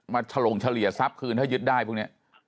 มาตรงเฉลี่ยทรัพย์ถึงได้พวกนี้